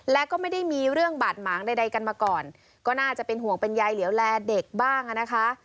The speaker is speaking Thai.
และก็ไม่ได้มีเรื่องบาดหมางใดกันมาก่อนก็น่าจะเป็นห่วงเป็นยายเหลียวแลเด็กบ้างอ่ะนะคะ